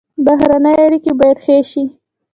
بهرنۍ اړیکې باید ښې شي